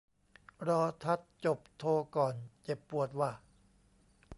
รอทัดจบโทก่อน เจ็บปวดว่ะ